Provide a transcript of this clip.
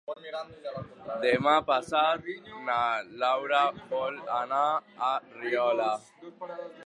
Demà passat na Laura vol anar a Riola.